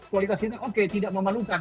kualitas kita oke tidak memalukan